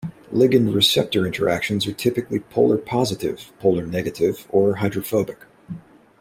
Ligand-receptor interactions are typically "polar positive", "polar negative" or "hydrophobic".